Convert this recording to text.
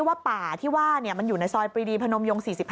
ว่าป่าที่ว่ามันอยู่ในซอยปรีดีพนมยง๔๕